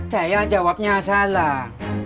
saya jawabnya salah